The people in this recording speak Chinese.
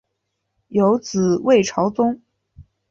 有子魏朝琮。